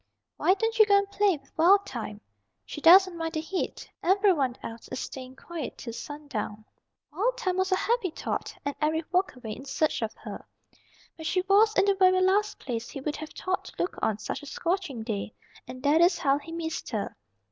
"Why don't you go and play with Wild Thyme? She doesn't mind the heat. Every one else is staying quiet till sundown." Wild Thyme was a happy thought, and Eric walked away in search of her. But she was in the very last place he would have thought to look on such a scorching day, and that is how he missed her.